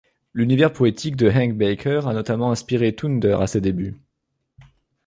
L'univers poétique de Henk Backer a notamment inspiré Toonder à ses débuts.